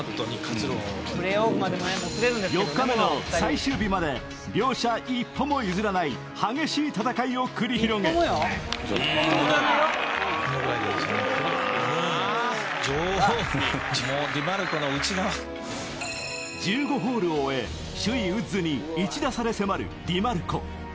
４日目の最終日まで両者一歩も譲らない激しい戦いを繰り広げ１５ホールを終え、首位ウッズに１打差に迫るディマルコ。